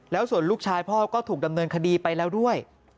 แล้วส่วนลูกชายพ่อก็ถูกดำเนินคดีไปแล้วด้วย